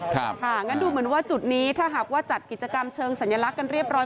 งั้นดูเหมือนว่าจุดนี้ถ้าหากว่าจัดกิจกรรมเชิงสัญลักษณ์กันเรียบร้อย